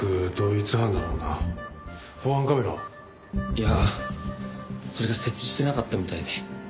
いやそれが設置してなかったみたいで。